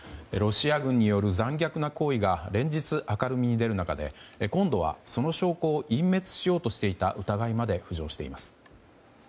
ロシア軍による残虐な行為が連日明るみに出る中で今度は、その証拠を隠滅しようとしていた疑いまで浮上しています。